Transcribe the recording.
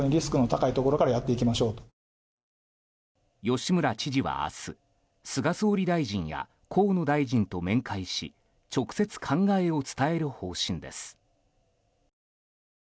吉村知事は、明日菅総理大臣や河野大臣と面会し直接考えを伝える方針です。